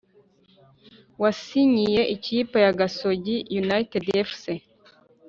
wasinyiye ikipe ya gasogoi united fc